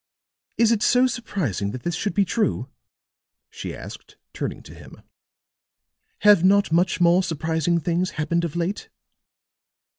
"Is it so surprising that this should be true?" she asked turning to him. "Have not much more surprising things happened of late?"